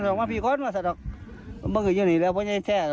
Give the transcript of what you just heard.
ต้องพรุ่งพุกกฎาศาสตร์จะมาเต็มผิดสังเกต